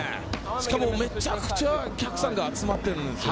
めちゃくちゃお客さんが集まっているんですよ。